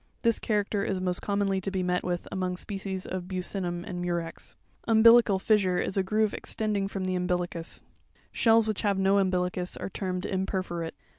This character is most commonly to be met with among species of Buccinum and Murex. Umbilical fissure, is a groove extending from the. umbilicus ( fig. 116). Shells which have no umbilicus are termed imperforate.